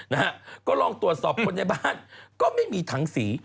นะฮะก็ลองตรวจสอบคนในบ้านก็ไม่มีถังสี